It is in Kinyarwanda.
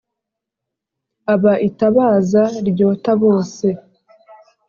Aba itabaza ryota bose.